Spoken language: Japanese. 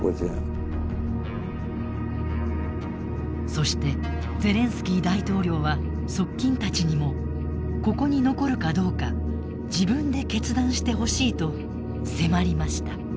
そしてゼレンスキー大統領は側近たちにも「ここに残るかどうか自分で決断してほしい」と迫りました。